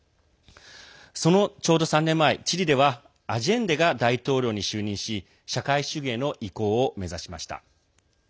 そのちょうど３年前、チリではアジェンデが大統領に就任し社会主義への移行を目指しました。